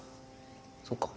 そっか。